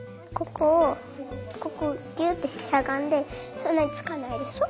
ここギュってしゃがんでそんなにつかないでしょ。